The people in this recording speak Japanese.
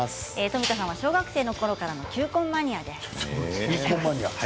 富田さんは小学生のころからの球根マニアです。